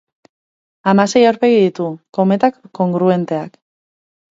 Hamasei aurpegi ditu: kometa kongruenteak.